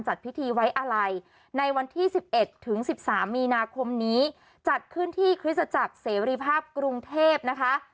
จัดพิธีไว้อาลัยในวันที่๑๑ถึง๑๓มีนาคมนี้จัดขึ้นที่คริสตจักรเสรีภาพกรุงเทพนะคะ